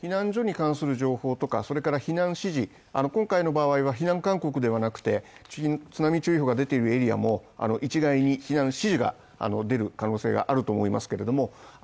避難所に関する情報とかそれから避難指示、今回の場合は避難勧告ではなく津波注意報が出ているエリアもあり、一概に避難指示が出る可能性があると思いますけれども。